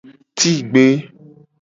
Tigbe.